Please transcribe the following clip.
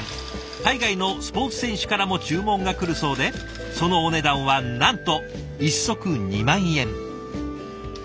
海外のスポーツ選手からも注文が来るそうでそのお値段はなんと１足２万円。